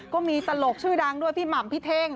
ก็มีตลกชื่อดังด้วยพี่หม่ำพี่เท่ง